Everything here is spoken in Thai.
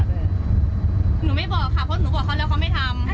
หนูไม่บอกค่ะเพราะหนูบอกเขาแล้วเขาไม่ทำ